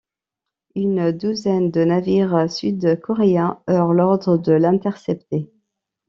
Une douzaine de navires sud-coréens eurent l'ordre de l'intercepter.